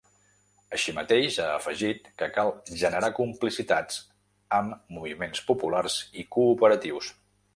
Així mateix, ha afegit que cal “generar complicitats” amb moviments populars i cooperatius.